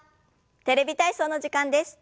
「テレビ体操」の時間です。